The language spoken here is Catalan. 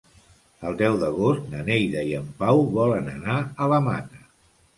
El deu d'agost na Neida i en Pau volen anar a la Mata.